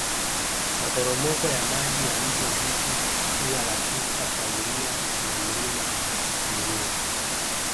Maporomoko ya maji ya Mto Zigi Ua la Sista Paulia na Mlima wa Mlinga